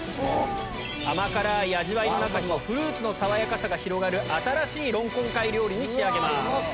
甘辛い味わいの中にもフルーツの爽やかさが広がる新しいロンコンカイ料理に仕上げます。